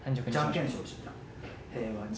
平和に。